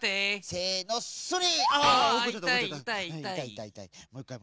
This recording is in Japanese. せのそれ！